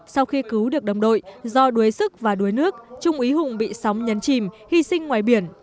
sau khi cứu được đồng đội do đuối sức và đuối nước trung ý hùng bị sóng nhấn chìm hy sinh ngoài biển